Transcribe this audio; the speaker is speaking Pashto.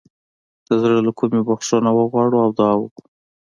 د زړه له کومې بخښنه وغواړو او دعا وکړو.